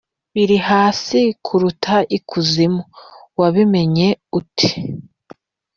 biri hasi kuruta ikuzimu, wabimenya ute’